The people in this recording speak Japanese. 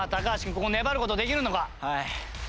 ここ粘る事できるのか？